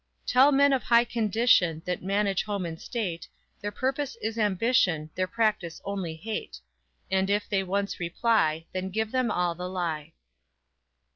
_ _"Tell men of high condition That manage home and state, Their purpose is ambition, Their practice only hate; And if they once reply Then give them all the lie!"